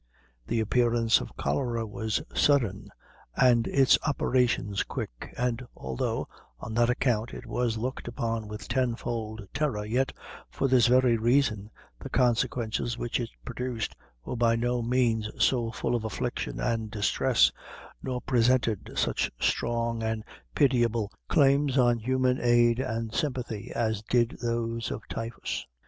The appearance of cholera was sudden, and its operations quick, and although, on that account, it was looked upon with tenfold terror, yet for this very reason, the consequences which it produced were by no means so full of affliction and distress, nor presented such strong and pitiable claims on human aid and sympathy as did those of typhus.